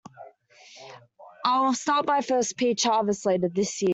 I'll start my first peach harvest later this year.